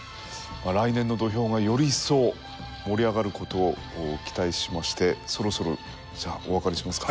来年の土俵がより一層盛り上がることを期待しましてそろそろじゃあお別れしますか。